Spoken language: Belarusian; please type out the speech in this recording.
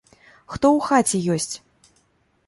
Хто ў хаце ёсць?